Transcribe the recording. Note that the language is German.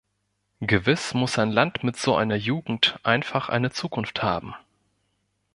Gewiss muss ein Land mit so einer Jugend einfach eine Zukunft haben.